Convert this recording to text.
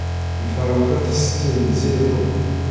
Mfaraqet s tin ziden.